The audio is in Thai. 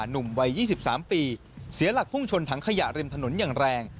หนุ่มวัย๒๓ปีเสียหลักพุ่งชนถังขยะริมถนนอย่างแรง